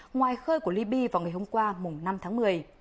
ngoài khơi của libya vào ngày hôm qua năm tháng một mươi